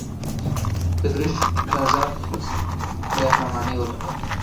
د ګرشک بازار سره خدای پاماني وکړه.